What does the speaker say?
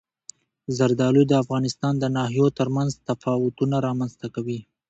زردالو د افغانستان د ناحیو ترمنځ تفاوتونه رامنځته کوي.